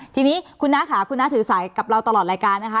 ทีนี้คุณน้าค่ะคุณน้าถือสายกับเราตลอดรายการนะคะ